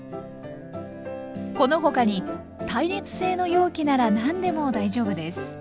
この他に耐熱性の容器なら何でも大丈夫です。